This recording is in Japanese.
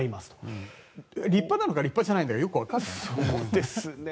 立派なのか立派じゃないのかよく分かんないね。